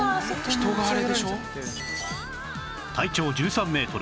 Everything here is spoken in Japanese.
人があれでしょ？」